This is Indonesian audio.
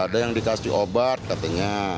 ada yang dikasih obat katanya